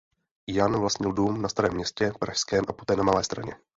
Jan vlastnil dům na Starém Městě Pražském a poté na Malé Straně.